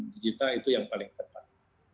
digital itu yang paling tepat